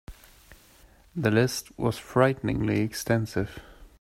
The list was frighteningly extensive.